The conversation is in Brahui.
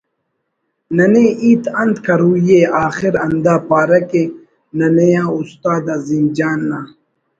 ننے ہیت انت کروئی ءِ آخر ہندا پارہ کہ ”ننے آ استاد عظیم جان نا